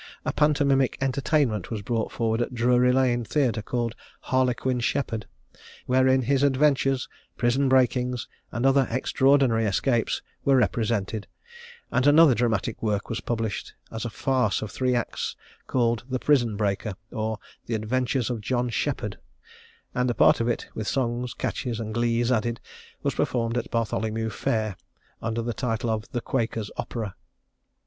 A pantomimic entertainment was brought forward at Drury lane theatre, called "Harlequin Sheppard," wherein his adventures, prison breakings, and other extraordinary escapes, were represented; and another dramatic work was published, as a farce of three acts, called "The Prison Breaker;" or, "The Adventures of John Sheppard;" and a part of it, with songs, catches, and glees added, was performed at Bartholomew Fair, under the title of "The Quaker's Opera."